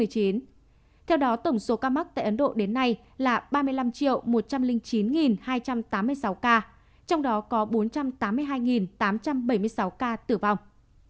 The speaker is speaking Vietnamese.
theo đó tổng số ca mắc tại ấn độ đến nay là ba mươi năm một trăm linh chín hai trăm tám mươi sáu ca trong đó có bốn trăm tám mươi hai tám trăm bảy mươi sáu ca tử vong